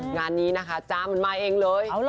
งานนี้นะคะจ้ามันมาเองเลย